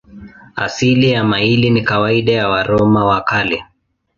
Asili ya maili ni kawaida ya Waroma wa Kale.